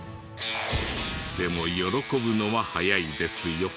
でも喜ぶのは早いですよ。